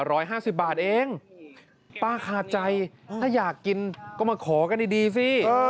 ร้อยห้าสิบบาทเองป้าขาดใจถ้าอยากกินก็มาขอกันดีดีสิ